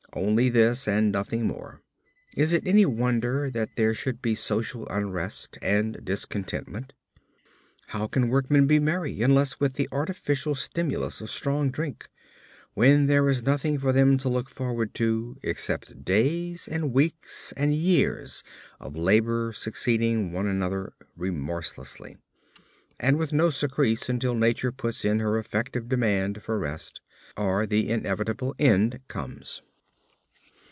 Only this and nothing more. Is it any wonder that there should be social unrest and discontentment? How can workmen be merry unless with the artificial stimulus of strong drink, when there is nothing for them to look forward to except days and weeks and years of labor succeeding one another remorselessly, and with no surcease until Nature puts in her effective demand for rest, or the inevitable end comes.